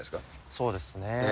そうですね。